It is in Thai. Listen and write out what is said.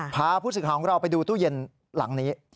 พาผู้ศึกฮาของเราไปดูตู้เย็นหลังนี้